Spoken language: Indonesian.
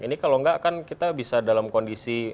ini kalau enggak kan kita bisa dalam kondisi